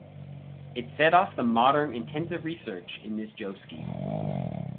It set off the modern intensive research in this joseki.